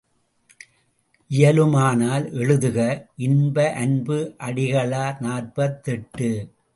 இயலுமானால் எழுதுக இன்ப அன்பு அடிகளார் நாற்பத்தெட்டு.